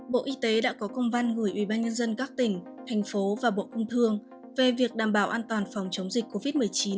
bộ y tế đã có công văn gửi ubnd các tỉnh thành phố và bộ công thương về việc đảm bảo an toàn phòng chống dịch covid một mươi chín